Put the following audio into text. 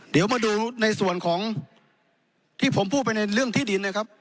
เดี๋ยวมาดูในส่วนของที่ผมพูดไปในเรื่องที่ดินนะครับ